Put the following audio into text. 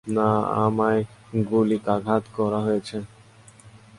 না, আমায় গুলিকাঘাত করা হয়েছে।